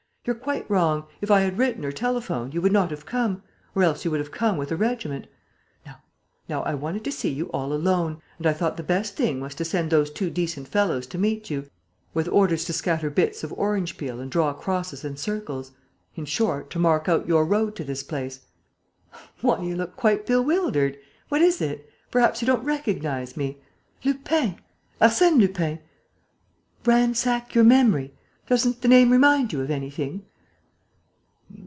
"You're quite wrong. If I had written or telephoned, you would not have come ... or else you would have come with a regiment. Now I wanted to see you all alone; and I thought the best thing was to send those two decent fellows to meet you, with orders to scatter bits of orange peel and draw crosses and circles, in short, to mark out your road to this place.... Why, you look quite bewildered! What is it? Perhaps you don't recognize me? Lupin.... Arsène Lupin.... Ransack your memory.... Doesn't the name remind you of anything?"